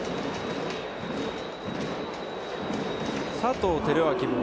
佐藤輝明も